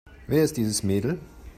Wer ist dieses Mädel?